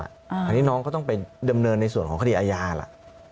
อันนี้น้องก็ต้องไปดำเนินในส่วนของคดีอาญาล่ะ